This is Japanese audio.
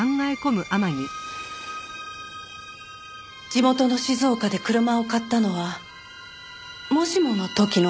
地元の静岡で車を買ったのはもしもの時のために。